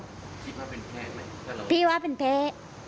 คิดว่าเป็นแพ้ไหมพี่ว่าเป็นแพ้